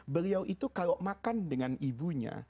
beliau itu kalau makan dengan ibunya